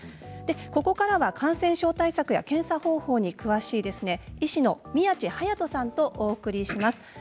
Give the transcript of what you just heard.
ここからは、感染症対策や検査方法に詳しい医師の宮地勇人さんとお送りします。